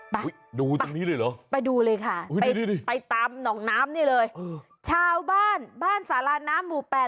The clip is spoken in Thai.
ไปไปไปไปไปตามหนองน้ำนี่เลยชาวบ้านบ้านสารานน้ำหมู่แปด